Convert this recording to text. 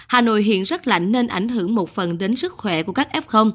hà nội hiện rất lạnh nên ảnh hưởng một phần đến sức khỏe của các f